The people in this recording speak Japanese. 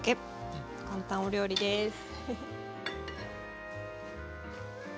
簡単お料理ですウフフ。